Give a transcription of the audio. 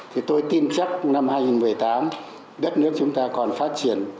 thì tôi tin chắc năm hai nghìn một mươi tám đất nước chúng ta còn phát triển